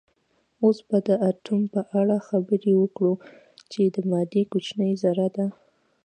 اوس به د اتوم په اړه خبرې وکړو چې د مادې کوچنۍ ذره ده